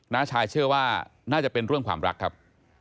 ้าชายเชื่อว่าน่าจะเป็นเรื่องความรักครับ